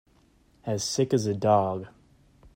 As sick as a dog.